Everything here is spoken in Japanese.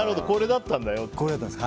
これだったんだよって。